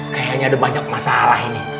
kayaknya ada banyak masalah ini